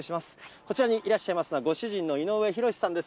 こちらにいらっしゃいますのは、ご主人の井上博さんです。